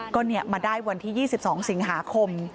ก็มาได้วันที่๒๒สิงหาคม